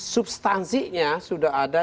substansinya sudah ada